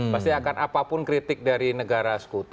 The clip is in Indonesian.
pasti akan apapun kritik dari negara sekutu